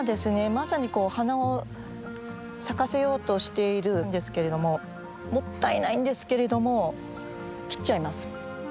まさにこう花を咲かせようとしているんですけれどももったいないんですけれども切っちゃいます。